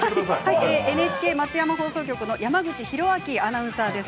ＮＨＫ松山放送局の山口寛明アナウンサーです。